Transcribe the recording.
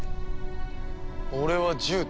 俺は獣人。